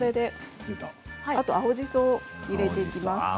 あとは青じそを入れていきます。